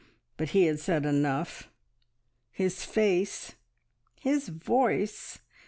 But he had said enough. ... His face! ... his voice! ...